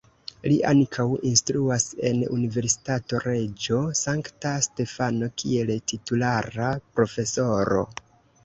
Li ankaŭ instruas en Universitato Reĝo Sankta Stefano kiel titulara profesoro.